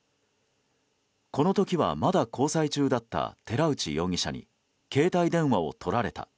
この時は、まだ交際中だった寺内容疑者に携帯電話をとられた。